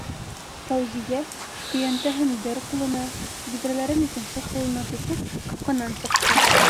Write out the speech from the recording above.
- Фәүзиә, көйәнтәһен бер ҡулына, биҙрәләрен икенсе ҡулына тотоп, ҡапҡанан сыҡты.